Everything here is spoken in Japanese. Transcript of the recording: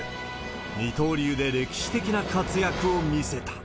二刀流で歴史的な活躍を見せた。